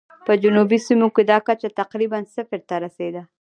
په جنوبي سیمو کې دا کچه تقریباً صفر ته رسېده.